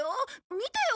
見てよ！